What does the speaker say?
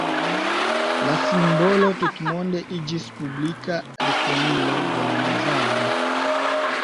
La simbolo tutmonde iĝis publika rekonilo de la movado.